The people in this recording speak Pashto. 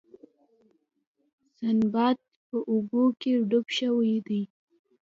سنباد په اوبو کې ډوب شوی دی.